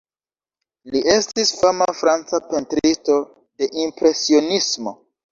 Li estis fama franca pentristo, de Impresionismo.